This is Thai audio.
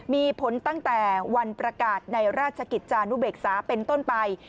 มีผลตั้งแต่วันประกาศในราชกิจจานุเบกษาเป็นต้นไป